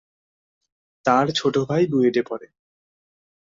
তার ছোট ভাই বুয়েটে পড়ে।